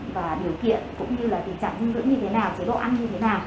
và điều kiện cũng như là tình trạng dinh dưỡng như thế nào chế độ ăn như thế nào